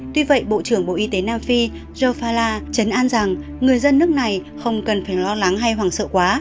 tuy vậy bộ trưởng bộ y tế nam phi jopella chấn an rằng người dân nước này không cần phải lo lắng hay hoảng sợ quá